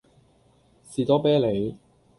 士多啤梨